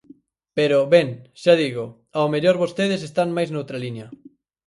Pero, ben, xa digo, ao mellor vostedes están máis noutra liña.